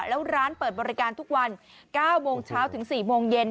แล้วร้านเปิดบริการทุกวัน๙โมงเช้าถึง๔โมงเย็น